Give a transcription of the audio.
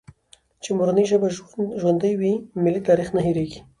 چي مورنۍ ژبه ژوندۍ وي، ملي تاریخ نه هېرېږي.